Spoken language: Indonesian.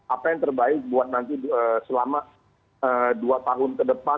apa yang terbaik buat nanti selama dua tahun ke depan